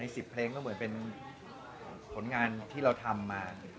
๑๐เพลงก็เหมือนเป็นผลงานที่เราทำมา